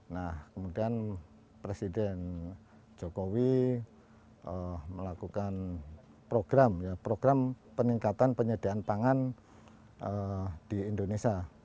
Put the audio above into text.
nah kemudian presiden jokowi melakukan program peningkatan penyediaan pangan di indonesia